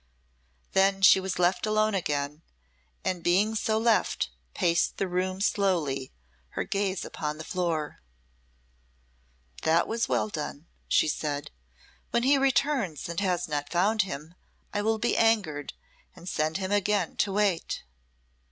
Then she was left alone again, and being so left, paced the room slowly, her gaze upon the floor. "That was well done," she said. "When he returns and has not found him, I will be angered, and send him again to wait."